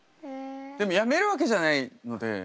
でもやめるわけじゃないので。